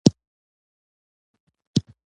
مکتب ته وختي ځم.